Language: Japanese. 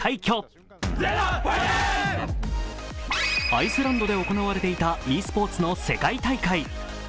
アイスランドで行われていたｅスポーツの世界大会。